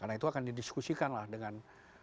karena itu akan didiskusikan lah dengan